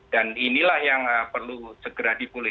dan inilah yang perlu